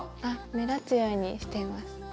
あ目立つようにしています。